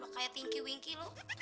kayak tingki wingki loh